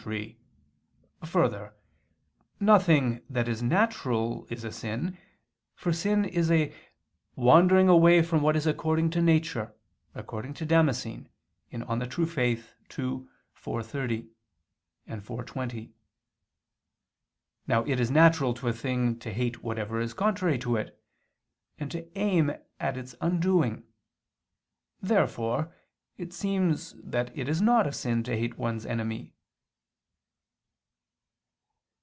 3: Further, nothing that is natural is a sin, for sin is a "wandering away from what is according to nature," according to Damascene (De Fide Orth. ii, 4, 30; iv, 20). Now it is natural to a thing to hate whatever is contrary to it, and to aim at its undoing. Therefore it seems that it is not a sin to hate one's I enemy.